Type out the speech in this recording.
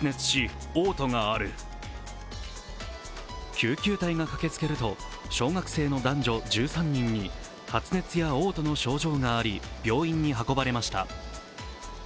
救急隊が駆けつけると小学生の男女１３人に発熱やおう吐の症状があり病院に運ばれました。